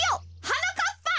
はなかっぱ。